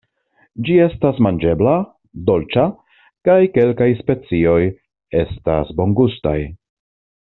Ĝi estas manĝebla, dolĉa kaj kelkaj specioj estas bongustaj.